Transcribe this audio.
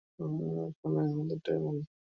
এখানকার ওয়েদারটাই এমন!